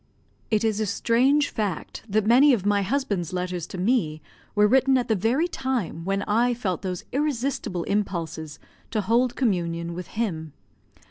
It is a strange fact that many of my husband's letters to me were written at the very time when I felt those irresistible impulses to hold communion with him.